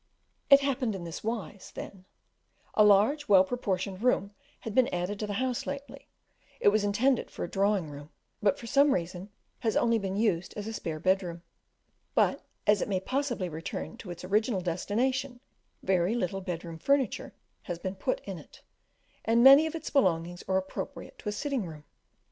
It happened in this wise, then: a large well proportioned room had been added to the house lately; it was intended for a drawing room, but for some reason has only been used as a spare bed room, but as it may possibly return to its original destination, very little bed room furniture has been put in it, and many of its belongings are appropriate to a sitting room.